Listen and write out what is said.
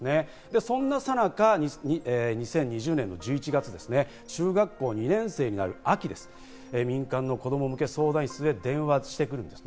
そんな最中、２０２０年の１１月、中学校２年生になる秋、民間の子供向け相談室へ電話しているんです。